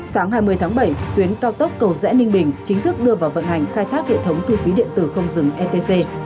sáng hai mươi tháng bảy tuyến cao tốc cầu rẽ ninh bình chính thức đưa vào vận hành khai thác hệ thống thu phí điện tử không dừng etc